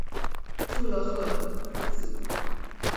傅勒赫之子。